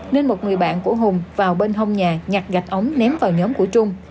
nên một người bạn của hùng vào bên hông nhà nhặt gạch ống ném vào nhóm của trung